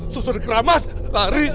suster keramas lari